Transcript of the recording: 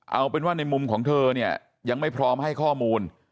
เอาเป็นว่าในมุมของเธอเนี่ยยังไม่พร้อมให้ข้อมูล